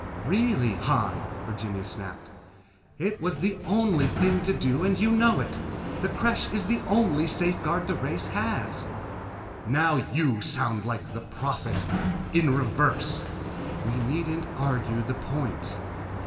"Really, Han," Virginia snapped, "It was the only thing to do and you know it. The Creche is the only safeguard the race has." "Now you sound like the Prophet. In reverse." "We needn't argue the point."